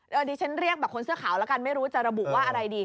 ดิฉันเรียกแบบคนเสื้อขาวแล้วกันไม่รู้จะระบุว่าอะไรดี